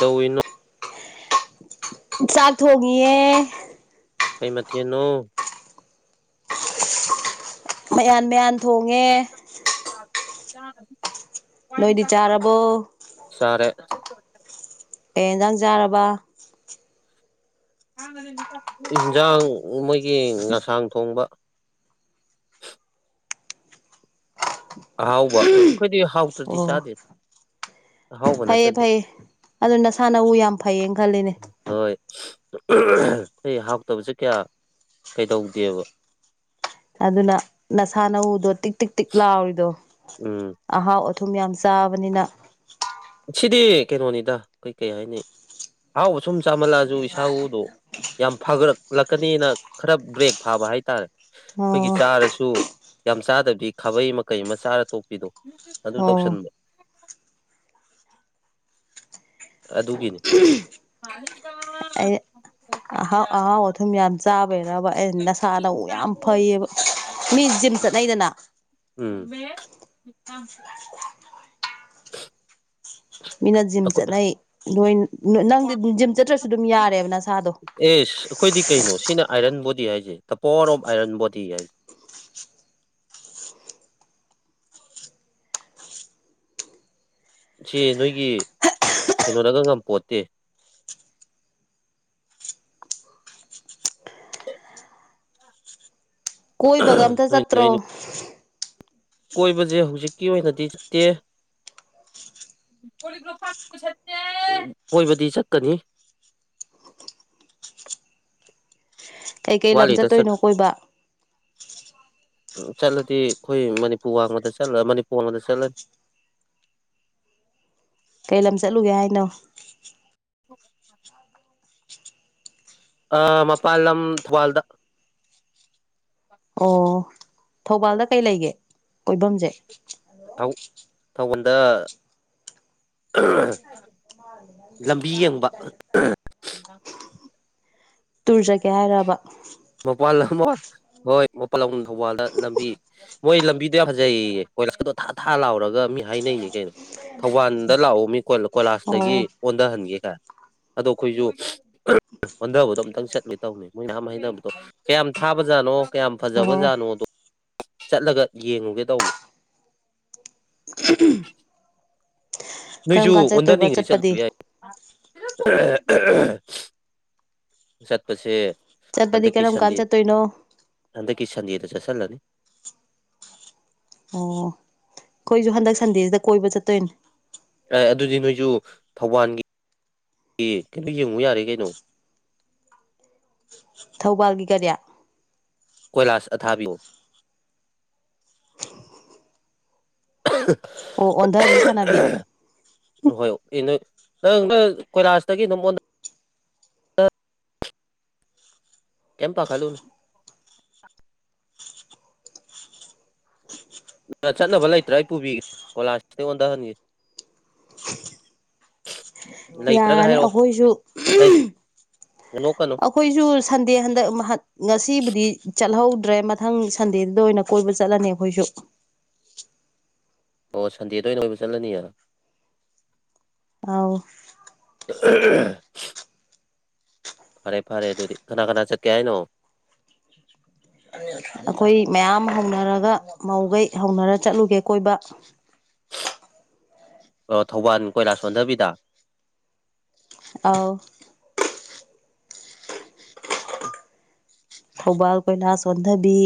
ꯑꯗꯅꯣ ꯁꯥꯠ ꯍꯒ ꯀꯩ ꯃꯊꯅꯣ ꯃꯌꯥꯟ ꯃꯌꯥꯟ ꯊꯣꯡꯉꯦ ꯅꯣꯏꯗꯤ ꯆꯥꯔꯕꯣ ꯁꯔꯦ ꯑꯦꯟꯗꯪ ꯆꯥꯔꯕ ꯏꯟꯁꯥꯡ ꯃꯣꯏꯒꯤ ꯉꯁꯥꯡ ꯊꯣꯡꯕ [inaudible] ꯑꯍꯥꯎꯕ ꯑꯩꯈꯣꯏꯗꯤ ꯍꯥꯎꯇ꯭ꯔꯗꯤ ꯑꯣ ꯆꯥꯗꯦꯗ ꯐꯩꯌꯦ ꯐꯩꯌꯦ ꯑꯗꯨ ꯅꯁꯥꯅꯎ ꯌꯥꯝ ꯐꯩꯌꯦꯅ ꯈꯜꯂꯤꯅꯦ ꯍꯣꯏ ꯑꯩꯈꯣꯏ ꯍꯥꯎꯇꯕꯁꯦ ꯀꯌꯥ ꯀꯩꯗꯧꯗꯦꯕ ꯑꯗꯨꯅ ꯅꯁꯥ ꯅꯎꯗꯣ ꯇꯤꯛ ꯇꯤꯛ ꯇꯤꯛ ꯂꯥꯎꯔꯤꯗꯣ ꯎꯝ ꯑꯍꯥꯎ ꯊꯨꯝ ꯌꯥꯝ ꯆꯥꯕꯅꯤꯅ ꯁꯤꯗꯤ ꯀꯩꯅꯣꯅꯤꯗ ꯀꯩ ꯀꯩ ꯍꯥꯏꯅꯤ ꯑꯍꯥꯎꯕ ꯁꯨꯝ ꯆꯥꯃꯜꯂꯛꯑꯁꯨ ꯏꯁꯥꯗꯣ ꯌꯥꯝ ꯐꯒꯠꯛꯂꯛꯀꯅꯤꯅ ꯈꯔ ꯕ꯭ꯔꯦꯛ ꯐꯥꯕ ꯍꯥꯏꯇꯥꯔꯦ ꯑꯩꯈꯣꯏꯒꯤ ꯑꯣ ꯆꯥꯔꯁꯨ ꯌꯥꯝ ꯆꯥꯗꯕꯗꯤ ꯈꯥꯕꯩ ꯃ ꯀꯩ ꯑꯃ ꯆꯥꯔ ꯇꯣꯛꯄꯤꯗꯣ ꯑꯗꯨ ꯑꯣ ꯇꯧꯁꯟꯕ ꯑꯗꯨꯒꯤꯅꯤ ꯑꯍꯣ ꯑꯍꯣ ꯑꯣꯊ ꯃ ꯌꯥꯖ ꯔꯕ ꯑꯩ ꯅꯁꯥꯅꯧ ꯌꯥꯝ ꯐꯩꯌꯦꯕ ꯃꯤ ꯖꯤꯝ ꯆꯠꯅꯩꯗꯅ ꯃ ꯊ ꯃꯤꯅ ꯖꯤꯝ ꯆꯠꯅꯩ ꯅꯣꯏ ꯅꯪꯗꯤ ꯖꯤꯝ ꯆꯠꯇ꯭ꯔꯁꯨ ꯑꯗꯨꯝ ꯌꯥꯔꯦꯕ ꯅꯁꯥꯗꯣ ꯑꯩꯈꯣꯏꯗꯤ ꯀꯩꯅꯣ ꯁꯤ ꯑꯥꯏꯔꯟ ꯣꯗꯤ ꯍꯥꯏꯁꯦ ꯗ ꯄꯋꯥꯔ ꯑꯣꯐ ꯑꯥꯏꯔꯟ ꯣꯗꯤ ꯍꯥꯏ ꯁꯤ ꯅꯣꯏꯒꯤ ꯀꯩꯅꯣꯅꯒ ꯉꯄꯣꯠꯇꯦ ꯀꯣꯏ ꯒꯝꯗ ꯅꯣꯏ ꯆꯠꯇ꯭ꯔꯣ ꯅꯣꯏ ꯀꯣꯏꯕꯁꯦ ꯍꯧꯖꯤꯛꯀꯤ ꯑꯣꯏꯅꯗꯤ ꯆꯠꯇꯦ ꯀꯣꯏꯕꯗꯤ ꯆꯠꯀꯅꯤ [inaudible] ꯀꯩꯀꯩ ꯂꯝ ꯋꯥꯠꯂꯤꯗ ꯆꯠ ꯆꯠꯇꯣꯏꯅꯣ ꯀꯣꯏꯕ ꯆꯠꯂꯗꯤ ꯑꯩꯈꯣꯏ ꯃꯅꯤꯄꯨꯔ ꯋꯥꯡꯃꯗ ꯆꯠꯂ ꯃꯅꯤꯄꯨꯔ ꯋꯥꯡꯃꯗ ꯆꯠꯂꯅꯤ [inaudible] ꯀꯩ ꯂꯝ ꯆꯠꯂꯨꯒꯦ ꯍꯥꯏꯅꯣ ꯎ ꯑ ꯃꯄꯥꯟ ꯂꯝ ꯊꯧꯕꯥꯜꯗ ꯑꯣ ꯊꯧꯕꯥꯜꯗ ꯀꯩ ꯂꯩꯒꯦ ꯀꯣꯏꯐꯝꯁꯦ ꯊꯧ ꯊꯧꯕꯥꯜꯗ ꯂꯝꯕꯤ ꯌꯦꯡꯕ ꯇꯨꯔꯖꯒꯦ ꯍꯥꯏꯔꯕ ꯃꯄꯥꯟ ꯍꯣꯏ ꯃꯣꯏ ꯄꯜꯂꯧ ꯊꯧꯕꯥꯜꯗ ꯂꯝꯕꯤ ꯃꯣꯏ ꯂꯝꯕꯤꯗꯣ ꯌꯥꯝ ꯐꯖꯩꯌꯦ ꯀꯗꯣ ꯊꯥ ꯊ ꯂꯥꯎꯔꯒ ꯃꯤ ꯍꯥꯏꯅꯩꯅꯤ ꯀꯩꯅꯣ ꯊꯧꯕꯥꯜꯗ ꯂꯥꯛꯑꯣ ꯃꯤꯣ ꯀꯣꯂꯥꯁꯇꯒꯤ ꯑꯣ ꯑꯣꯟꯊꯍꯟꯒꯦ ꯀꯥꯏ ꯑꯗꯣ ꯑꯩꯈꯣꯏꯁꯨ ꯑꯣꯟꯊꯕꯗꯣ ꯑꯝꯇꯪ ꯆꯠ ꯇꯧꯅꯤ ꯃꯣꯏ ꯅꯍ ꯑꯃ ꯍꯩꯅꯕꯗꯣ ꯀꯌꯥꯝ ꯊꯥꯕꯖꯥꯠꯅꯣ ꯀꯌꯥꯝ ꯑꯣ ꯐꯖꯕꯖꯥꯠꯅꯣꯗꯣ ꯆꯠꯂꯒ ꯌꯦꯡꯉꯨꯒꯦ ꯇꯧꯕ ꯁꯤꯇ ꯅꯣꯏꯁꯨ ꯑꯣꯟꯊꯅꯤꯡꯉꯤꯗꯤ ꯆꯠꯄꯗꯤ ꯆꯠꯂꯨꯕ ꯌꯥꯏ ꯆꯠꯄꯁꯦ ꯆꯠꯄꯗꯤ ꯍꯟꯗꯛꯀꯤ ꯀꯔꯝ ꯀꯥꯟ ꯁꯟꯗꯦ ꯆꯠꯇꯣꯏꯅꯣ ꯍꯟꯗꯛꯀꯤ ꯁꯟꯗꯦꯗꯠ ꯆꯁ ꯂꯅꯤ ꯑꯣ ꯑꯩꯈꯣꯏꯁꯨ ꯍꯟꯗꯛ ꯁꯟꯗꯦꯁꯤꯗ ꯀꯣꯏꯕ ꯆꯠꯇꯣꯏꯅꯦ ꯑꯦ ꯑꯗꯨꯗꯤ ꯅꯣꯏꯁꯨ ꯊꯧꯕꯥꯜꯒꯤ ꯀꯩꯅꯣ ꯌꯦꯡꯉꯨ ꯌꯥꯔꯦ ꯀꯩꯅꯣ ꯊꯧꯕꯥꯜꯒꯤ ꯒꯥꯔꯤꯌꯥ ꯀꯣꯏꯂꯥꯁ ꯑꯊꯥꯕꯤꯌꯨ ꯑꯣ ꯑꯣꯟꯊꯕꯤ ꯁꯥꯟꯅꯕꯤ ꯍꯣꯏ ꯏꯅ ꯅꯪ ꯅꯪ ꯀꯣꯏꯔꯥꯁꯇꯒꯤ ꯅꯪꯉꯣꯟꯗ ꯀꯄꯥ ꯍꯂꯅ ꯆꯠꯅꯕ ꯂꯩꯇ꯭ꯔꯥ ꯑꯩ ꯄꯨꯕꯤꯒꯦ ꯀꯣꯂꯥꯁꯁꯤꯗ ꯑꯣꯟꯊꯍꯟꯒ [inaudible] ꯌꯥꯅꯤ ꯑꯩꯈꯣꯏꯁꯨ ꯂꯩ ꯅꯣꯛꯀꯅꯨ ꯑꯩꯈꯣꯏꯁꯨ ꯁꯟꯗꯦ ꯍꯟꯗꯛ ꯉꯁꯤꯕꯨꯗꯤ ꯆꯠꯍꯧ ꯠꯇ꯭ꯔꯦ ꯃꯊꯪ ꯁꯟꯗꯦꯗꯨꯗ ꯑꯣꯏꯅ ꯀꯣꯏꯕ ꯆꯠꯂꯅꯤ ꯑꯩꯈꯣꯏꯁꯨ ꯑꯣ ꯁꯗꯤꯇ ꯏꯅꯕꯨ ꯆꯜꯅꯤ ꯑꯥꯎ [inaudible] ꯐꯔꯦ ꯐꯔꯦ ꯑꯗꯨꯗꯤ ꯀꯅꯥ ꯀꯅꯥ ꯆꯠꯀꯦ ꯍꯥꯏꯅꯣ ꯑꯩꯈꯣꯏ ꯃꯌꯥꯝ ꯍꯧꯅꯔꯒ ꯃꯧꯈꯩ ꯍꯧꯅꯔ ꯆꯠꯂꯨꯒꯦ ꯀꯣꯏꯕ ꯊꯧꯕꯥꯜ ꯀꯣꯏꯂꯥꯁ ꯁꯣꯟꯊꯕꯤꯗ ꯑꯥꯎ [unintelligible] ꯊꯧꯕꯥꯜ ꯀꯣꯏꯂꯥꯁ ꯁꯣꯟꯊꯕꯤ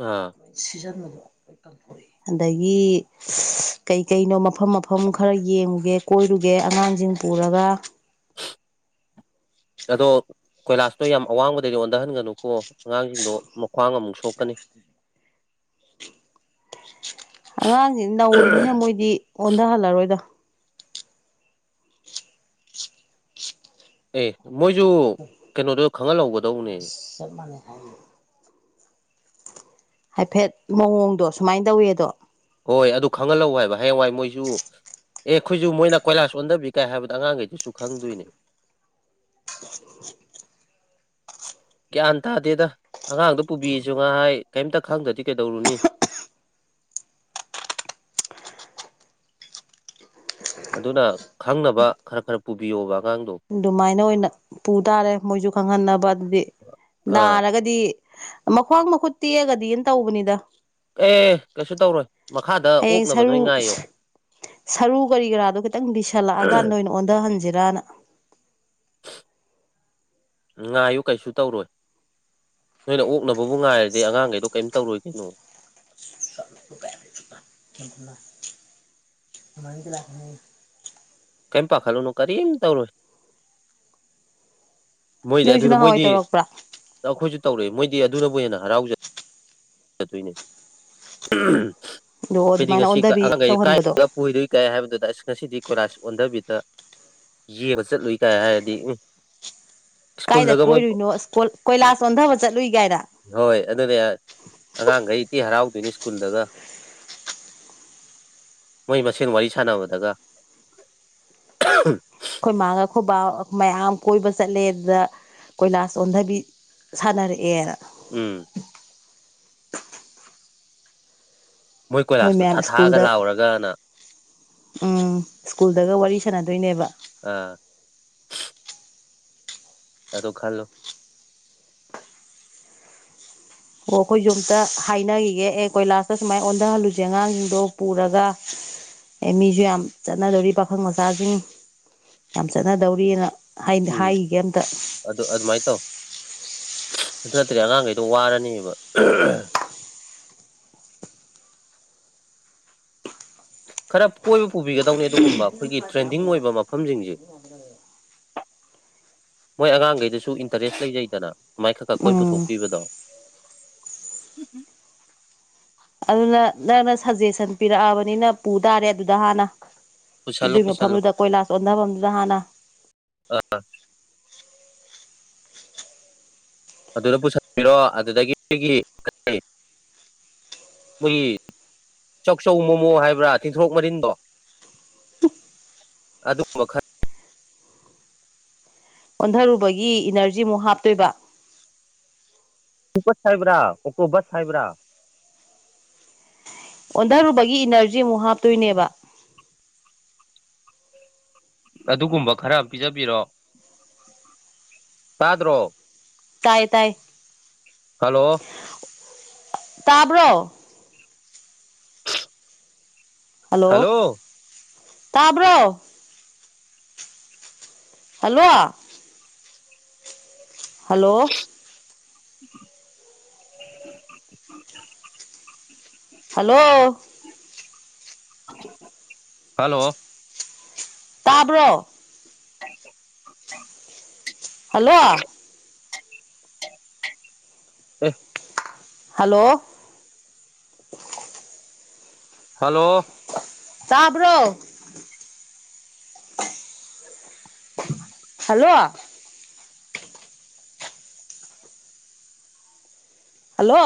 ꯑꯥ ꯑꯗꯒꯤ ꯀꯩ ꯀꯩꯅꯣ ꯃꯐꯝ ꯃꯐꯝ ꯈꯔ ꯌꯦꯡꯉꯨꯒꯦ ꯀꯣꯏꯔꯨꯒꯦ ꯑꯉꯥꯡꯁꯤꯡ ꯄꯨꯔꯒ [inaudible] ꯑꯗꯣ ꯀꯣꯏꯂꯥꯁꯇꯣ ꯌꯥꯝ ꯑꯋꯥꯡꯕꯗꯩꯗꯤ ꯑꯣꯟꯊꯍꯟꯒꯅꯨꯀꯣ ꯑꯉꯥꯡꯁꯤꯡꯗꯣ ꯃꯈ꯭ꯋꯥꯡ ꯑꯃꯨꯛ ꯁꯣꯛ ꯀꯅꯤ ꯑꯉꯥꯡꯁꯤ ꯅꯧꯔꯤꯅꯤꯅ ꯃꯣꯏꯗꯤ ꯑꯣꯟꯊꯍꯜꯂꯔꯣꯏꯗ ꯑꯦ ꯃꯣꯏꯁꯨ ꯀꯩꯅꯣꯗꯣ ꯈꯪꯍꯜꯍꯧꯒꯗꯧꯅꯦ ꯆꯠ ꯃꯅ ꯍꯥꯏ ꯍꯥꯏꯐꯦꯠ ꯃꯑꯣꯡꯗꯣ ꯁꯨꯃꯥꯏꯅ ꯇꯧꯋꯦꯗꯣ ꯍꯣꯏ ꯑꯗꯨ ꯈꯪꯍꯜꯂꯛꯎ ꯍꯥꯏꯕ ꯍꯌꯦꯡꯋꯥꯏ ꯃꯣꯏꯁꯨ ꯑꯦ ꯑꯩꯈꯣꯏꯁꯨꯨ ꯃꯣꯏꯅ ꯀꯣꯏꯂꯥꯁ ꯑꯣꯟꯗꯕꯤꯔꯤ ꯀꯥꯏ ꯍꯥꯏꯕꯗ ꯑꯉꯥꯡꯈꯩꯗꯨꯁꯨ ꯈꯪꯗꯣꯏꯅꯦ [unintelligible] o ꯒ꯭ꯌꯥꯟ ꯇꯥꯗꯦꯗ ꯑꯉꯥꯡꯗ ꯄꯨꯕꯤꯔꯤꯁꯨ ꯉꯥꯏꯍꯥꯏ ꯀꯔꯤꯝꯇ ꯈꯪꯗ꯭ꯔꯗꯤ ꯀꯩꯗꯧꯔꯨꯅꯤ [inaudible] ꯑꯗꯨꯅ ꯈꯪꯅꯕ ꯈꯔ ꯈꯔ ꯄꯨꯕꯤꯌꯣꯕ ꯑꯉꯥꯡꯗꯣ ꯑꯗꯨꯃꯥꯏꯅ ꯑꯣꯏꯅ ꯄꯨ ꯇꯥꯔꯦ ꯃꯣꯏꯁꯨ ꯈꯪꯍꯟꯅꯕ ꯑꯗꯨꯗꯤ ꯑꯥ ꯅꯥꯔꯒꯗꯤ ꯃꯈ꯭ꯋꯥꯡ ꯃꯈꯨꯠ ꯇꯦꯛꯑꯒꯗꯤꯅ ꯇꯧꯕꯅꯤꯗ ꯑꯦ ꯀꯩꯁꯨ ꯇꯧꯔꯣꯏ ꯃꯈꯥꯗ ꯍꯌꯦꯡ ꯑꯣꯛꯅꯕ ꯅꯣꯏ ꯁꯔꯨꯛ ꯉꯥꯏꯌꯣ ꯁꯔꯨ ꯀꯔꯤ ꯀꯔꯥꯗꯣ ꯈꯤꯇꯪ ꯤꯁꯜꯂꯛꯑꯀꯥꯟꯗ ꯑꯣꯏꯅ ꯑꯣꯟꯊꯍꯟꯁꯤꯔꯅ [inaudible] ꯉꯥꯏꯌꯨ ꯀꯩꯁꯨ ꯇꯧꯔꯣꯏ ꯅꯣꯏꯅ ꯑꯣꯛꯅꯕꯕꯨ ꯉꯥꯏꯔꯗꯤ ꯑꯉꯥꯡꯈꯩꯗꯣ ꯀꯔꯤꯝ ꯇꯧꯔꯣꯏꯗꯣꯏꯅꯣ ꯑꯥꯡ ꯆꯂꯥꯛ ꯀꯩꯦꯝꯄꯥꯥ ꯈꯂꯨꯅ ꯀꯔꯤ ꯇꯧꯔꯣ ꯃꯣꯏꯗꯤ ꯅꯣꯏꯁꯨ ꯑꯗꯨꯅ ꯅꯍꯥꯟꯋꯥꯏ ꯃꯣꯏꯗꯤ ꯇꯧꯔꯛꯄ꯭ꯔꯥ ꯑꯩꯈꯣꯏꯁꯨ ꯇꯧꯔꯛꯏ ꯃꯣꯏꯗꯤ ꯑꯗꯨꯅꯕꯨ ꯍꯦꯟꯅ ꯍꯔꯥꯎꯖꯩ ꯆꯠꯇꯏꯅꯦ ꯑꯗꯣ ꯑꯩꯈꯣꯏꯗꯤ ꯑꯗꯨꯃꯥꯏꯅ ꯉꯁꯤ ꯑꯣꯟꯊꯕꯤ ꯑꯉꯥꯡꯈꯩ ꯀꯥꯏ ꯇꯧꯍꯟꯕꯗꯣ ꯄꯨꯏꯗꯣꯏ ꯀꯥꯏ ꯍꯥꯏꯕꯗꯨꯗ ꯑꯁ ꯉꯁꯤꯗꯤ ꯀꯣꯏꯔꯥꯁ ꯑꯣꯟꯊꯕꯤꯗ ꯌꯦꯡꯕ ꯆꯠꯂꯨꯏ ꯀꯥꯏ ꯍꯥꯏꯔꯗꯤ ꯎꯝ ꯀꯥꯏꯗ ꯁ꯭ꯀꯨꯜꯗꯒ ꯃꯣꯏ ꯀꯣꯏꯔꯨꯅꯣ ꯀꯣꯏꯂꯥꯁ ꯑꯣꯣꯟꯊꯕ ꯆꯠꯂꯨꯏ ꯀꯥꯏꯗ ꯍꯣꯏ ꯑꯗꯨꯅꯦ ꯑꯉꯥꯡꯈꯩ ꯏꯇꯤ ꯍꯔꯥꯎꯗꯣꯏꯅꯤ ꯁ꯭ꯀꯨꯜꯗꯒ ꯃꯣꯏ ꯃꯁꯦꯟ ꯋꯥꯔꯤ ꯁꯥꯟꯅꯕꯗꯒ ꯑꯩꯈꯣꯏ ꯃꯥꯥꯡꯒ ꯑꯩꯈꯣꯏꯕ ꯃꯌꯥꯝ ꯀꯣꯏꯕ ꯆꯠꯂꯦ ꯑꯗꯨꯗ ꯀꯣꯏꯂꯥꯁ ꯑꯣꯟꯊꯕꯤ ꯁꯥꯟꯅꯔꯛꯑꯦꯅ ꯎꯝ ꯃꯣꯏ ꯀꯣꯏꯂꯥꯁꯇꯣ ꯃꯌꯥꯝ ꯊꯥꯊꯥꯒ ꯁ꯭ꯀꯨꯜꯗ ꯂꯥꯎꯔꯒꯅ ꯎꯝ ꯁ꯭ꯀꯨꯜꯗꯒ ꯋꯥꯔꯤ ꯁꯥꯟꯅꯗꯣꯏꯅꯦꯕ ꯑꯥ ꯑꯗꯣ ꯈꯜꯂꯣ ꯑꯣ ꯑꯩꯈꯣꯏꯁꯨ ꯑꯝꯇ ꯍꯥꯏꯅꯈꯤꯒꯦ ꯑꯦ ꯀꯣꯏꯂꯥꯁꯇ ꯁꯨꯃꯥꯏꯅ ꯑꯣꯟꯊꯍꯜꯂꯨꯁꯦ ꯑꯉꯥꯡꯁꯤꯡꯗꯣ ꯄꯨꯔꯒ ꯑꯦ ꯃꯤꯁꯨ ꯌꯥꯝ ꯆꯠꯅꯗꯧꯔꯤ ꯄꯥꯈꯪ ꯃꯆꯥꯁꯤꯡ ꯌꯥꯝ ꯆꯠꯅꯗꯧꯔꯤꯑꯅ ꯎꯝ ꯍꯥꯏꯒꯦ ꯑꯝꯇ ꯑꯗꯨ ꯑꯗꯨꯃꯥꯏꯅ ꯇꯧ ꯑꯗꯨ ꯅꯠꯇ꯭ꯔꯦ ꯑꯉꯥꯡꯈꯩꯗꯣ ꯋꯥꯔꯅꯦꯕ [inaudible] ꯈꯔ ꯀꯣꯏꯕ ꯄꯨꯕꯤꯒꯗꯧꯅꯤ ꯑꯗꯨꯒꯨꯝꯕ ꯑꯩꯈꯣꯏꯒꯤ ꯇ꯭ꯔꯦꯟꯗꯤꯡ ꯑꯣꯏꯕ ꯃꯐꯝꯁꯤꯡꯁꯦ ꯃꯣꯏ ꯑꯉꯥꯡꯈꯩꯗꯁꯨ ꯏꯟꯇꯔꯦꯁ ꯂꯩꯖꯩꯗꯅ ꯃ ꯃꯥꯏꯈꯛꯀ ꯀꯣꯏ ꯎꯝ ꯄꯨꯊꯣꯛꯄꯤꯕꯗꯣ ꯎꯝ ꯎꯝ ꯑꯗꯨꯅ ꯅꯪꯅ ꯁꯖꯦꯁꯟ ꯄꯤꯔꯛꯑꯕꯅꯤꯅ ꯄꯨ ꯇꯥꯔꯦ ꯑꯗꯨꯗ ꯍꯥꯟꯅ ꯄꯨꯁꯜꯂꯨ ꯑꯗꯨꯏ ꯄꯨꯁꯜꯂꯨ ꯃꯐꯝꯗꯨꯗ ꯀꯣꯏꯂꯥꯁ ꯑꯣꯣꯟꯊꯐꯝꯗꯨꯗ ꯍꯥꯟꯅ ꯑꯗꯨꯗ ꯄꯨꯁꯤꯟꯄꯤꯔꯣ ꯑꯗꯨꯗꯒꯤ ꯅꯣꯏꯒꯤ ꯄꯨꯜꯂꯤ ꯆꯥꯛꯆꯧ ꯃꯣꯃꯣ ꯍꯥꯏꯕ꯭ꯔꯥ ꯇꯤꯟꯊꯣꯔꯣꯛ ꯃꯔꯤꯟꯗꯣ ꯑꯗꯨꯕꯜ ꯑꯣꯟꯊꯔꯨꯕꯒꯤ ꯏꯅꯔꯖꯤꯃꯨꯛ ꯍꯥꯞꯇꯣꯏꯕ ꯁꯥꯏꯕ꯭ꯔꯥ ꯑꯣꯀꯣꯕ ꯁꯥꯏꯕ꯭ꯔꯥ ꯑꯣꯟꯊꯔꯨꯕꯒꯤ ꯏꯅꯔꯖꯤ ꯑꯃꯨꯛ ꯍꯥꯞꯇꯣꯏꯅꯦꯕ ꯑꯗꯨꯒꯨꯝꯕ ꯈꯔ ꯄꯤꯖꯕꯤꯔꯣ ꯇꯥꯗ꯭ꯔꯣ ꯇꯥꯏ ꯇꯥꯏ ꯍꯜꯂꯣ ꯇꯥꯕ꯭ꯔꯣ ꯍꯜꯂꯣ ꯇꯕ꯭ꯔꯣ ꯍꯜꯂꯣ ꯍꯜꯂꯣ [inaudible] [inaudible] ꯍꯜꯂꯣ ꯍꯜꯂꯣ ꯇꯥꯕ꯭ꯔꯣ [inaudible] ꯍꯜꯂꯣ ꯎ ꯍꯂꯣ ꯍꯜꯂꯣ ꯇꯥꯕ꯭ꯔꯣ ꯎꯝ ꯍꯜꯂꯣ ꯍꯜꯂꯣ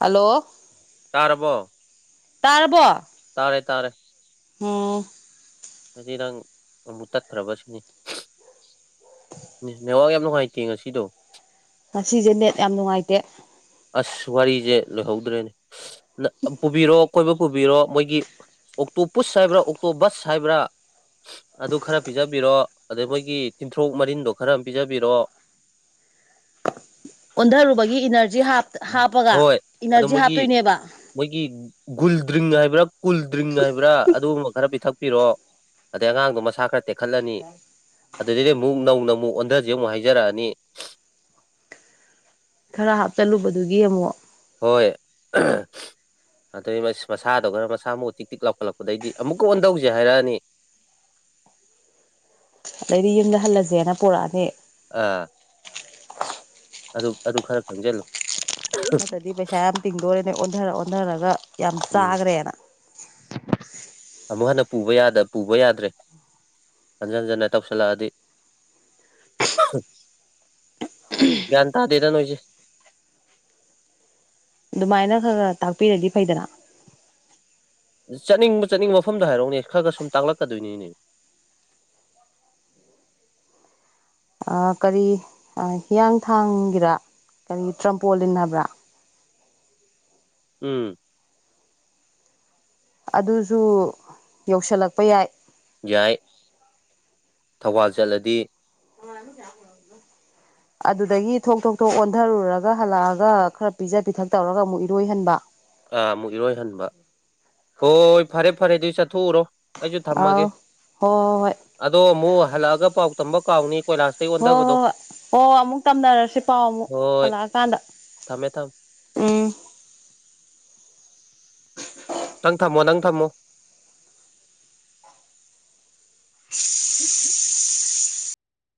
ꯍꯜꯂꯣ ꯇꯔꯔꯕꯣ ꯇꯥꯔꯔꯕꯣ ꯇꯥꯔꯦ ꯇꯥꯔꯦ ꯑꯣ ꯍꯥꯏꯗꯤ ꯅꯪ ꯑꯃꯨꯛ ꯇꯠꯈ꯭ꯔꯕ ꯁꯤꯅꯤꯉ ꯅꯨꯡꯉꯥꯏꯇꯦ ꯉꯁꯤꯗꯣ ꯉꯁꯤꯁꯦꯅꯦꯠ ꯌꯥꯝ ꯅꯨꯡꯉꯥꯏꯇꯦ ꯑꯁ ꯋꯥꯔꯤꯁꯦ ꯂꯣꯏꯍꯧꯗ꯭ꯔꯦꯅꯦ ꯄꯨꯕꯤꯔꯣ ꯀꯣꯏꯕ ꯄꯨꯕꯤꯔꯣ ꯃꯣꯏꯒꯤ ꯑꯣꯛꯇꯣ ꯄꯨꯁ ꯍꯥꯏꯕ꯭ꯔꯥ ꯑꯣꯛꯇꯣ ꯕꯁ ꯍꯥꯏꯕ꯭ꯔꯥ ꯑꯗꯨ ꯈꯔ ꯄꯤꯖꯕꯤꯔꯣ ꯑꯗꯩ ꯃꯣꯏꯒꯤ ꯇꯤꯟꯊ꯭ꯔꯣꯛ ꯃꯔꯤꯟꯗꯣ ꯈꯔ ꯑꯃ ꯄꯤꯖꯕꯤꯔꯣ [inaudible] ꯑꯣꯟꯊꯔꯨꯕꯒꯤ ꯏꯅꯔꯖꯤ ꯍꯥꯞꯄꯒ ꯍꯣꯏ ꯏꯅꯔꯖꯤ ꯍꯥꯞꯇꯣꯏꯅꯦꯕ ꯒꯨꯜ ꯗ꯭ꯔꯤꯡ ꯍꯥꯏꯕ꯭ꯔꯥ ꯀꯨꯜ ꯗ꯭ꯔꯤꯡ ꯍꯥꯏꯕ꯭ꯔꯥ ꯑꯗꯨꯒꯨꯝꯕ ꯈꯔ ꯄꯤꯊꯛꯄꯤꯔꯣ ꯑꯗꯩ ꯑꯉꯥꯡꯗꯣ ꯃꯁꯥ ꯈꯔ ꯇꯦꯛꯈꯠꯂꯅꯤ ꯑꯗꯨꯗꯤ ꯑꯃꯨꯛ ꯅꯧ ꯅꯧ ꯑꯃꯨꯛ ꯑꯣꯟꯊꯁꯦ ꯑꯃꯨꯛ ꯍꯥꯏꯖꯔꯛꯑꯅꯤ ꯈꯔ ꯍꯥꯞꯆꯤꯜꯂꯨꯕꯗꯨꯒꯤ ꯑꯃꯨꯛ ꯍꯣꯏ ꯑꯗꯩ ꯃꯁꯥꯗꯣ ꯈꯔ ꯃꯁꯥ ꯃꯨꯎ ꯇꯤꯛ ꯇꯤꯛ ꯂꯧꯈꯠꯂꯛꯄꯗꯒꯤꯩꯗꯤ ꯑꯃꯨꯛꯀ ꯑꯣꯟ ꯇꯧꯁꯦ ꯍꯥꯏꯔꯛꯑꯅꯤ ꯎꯝ ꯑꯗꯩꯗꯤ ꯌꯨꯝꯗ ꯍꯜꯂꯁꯦꯅ ꯄꯔꯛꯑꯅꯤ ꯑꯥ ꯑꯗꯨ ꯑꯗꯨ ꯈꯔ ꯈꯪꯁꯤꯜꯂꯨ ꯅꯠꯇꯗꯤ ꯄꯩꯁꯥ ꯌꯥꯝ ꯇꯤꯡꯗꯣꯔꯦꯅꯦ ꯑꯣꯟꯊꯔ ꯑꯣꯟꯊꯔꯒ ꯌꯥꯝ ꯎꯝ ꯆꯥꯈ꯭ꯔꯦꯅ [inaudible] ꯑꯃꯨꯛ ꯍꯟꯅ ꯄꯨꯕ ꯌꯥ ꯄꯨꯕ ꯌꯥꯗ꯭ꯔꯦ ꯍꯟꯖꯟ ꯍꯟꯖꯟꯅ ꯇꯧꯁꯜꯂꯛꯑꯗꯤ ꯒꯟ ꯇꯥꯗꯦꯗꯅꯣꯏꯁꯦ [unintelligible] ꯑꯗꯨꯃꯥꯏꯅ ꯈꯔ ꯈ ꯇꯥꯛꯄꯤꯔꯗꯤ ꯐꯩꯗꯅ ꯆꯠꯅꯤꯡꯕ ꯆꯠꯅꯤꯡꯕ ꯃꯐꯝꯗ ꯍꯥꯏꯔꯛꯎꯅꯦ ꯈꯔ ꯈꯔ ꯁꯨꯝ ꯇꯥꯛꯂꯛꯀꯗꯣꯏꯅꯤꯅꯦ [unintelligible] ꯀꯔꯤ ꯍꯤꯌꯥꯡꯊꯥꯡꯒꯤꯔ ꯀꯔꯤ ꯇ꯭ꯔꯝꯄꯣ ꯏꯟꯅꯕ꯭ꯔꯥ ꯎꯝ ꯑꯗꯨꯁꯨ ꯌꯧꯁꯤꯜꯂꯛꯄ ꯌꯥꯏ ꯌꯥꯏ ꯊꯧꯕꯥꯜ ꯆꯠꯂꯗꯤ ꯑꯅ ꯆ ꯑꯗꯨꯗꯒꯤ ꯊꯣꯛ ꯊꯣꯛ ꯊꯣꯛꯣꯛ ꯑꯣꯟꯊꯔꯨꯔꯒ ꯍꯜꯂꯛꯑꯒ ꯈꯔ ꯄꯤꯖ ꯄꯤꯊꯛ ꯇꯧꯔꯒ ꯑꯃꯨꯛ ꯏꯔꯣꯏꯍꯟꯕ ꯑꯥ ꯑꯃꯨꯛ ꯏꯔꯣꯏꯍꯟꯕ ꯍꯣꯏ ꯐꯔꯦ ꯐꯔꯦ ꯑꯗꯨ ꯆꯠꯊꯣꯛꯎꯔꯣ ꯑꯩꯁꯨ ꯊꯝꯃꯒꯦ ꯑꯥꯎ ꯍꯣꯏ ꯍꯣꯏ ꯍꯣꯏ ꯑꯗꯣ ꯑꯃꯨꯛ ꯍꯜꯂꯛꯑꯒ ꯄꯥꯎ ꯇꯝꯕ ꯀꯥꯎꯅꯤ ꯀꯣꯏꯂꯥꯁꯇꯩ ꯍꯣꯏ ꯍꯣꯏ ꯑꯣꯟꯊꯕꯗꯣ ꯍꯣꯏ ꯍꯣꯏ ꯍ ꯑꯃꯨꯛ ꯇꯝꯅꯔꯁꯤ ꯄꯥꯎ ꯑꯃꯨꯛ ꯍꯜꯂꯛꯑꯀꯥꯟꯗ ꯊ ꯎꯝ ꯅꯪ ꯊꯝꯃꯣ ꯅꯪ ꯊꯝꯃꯣ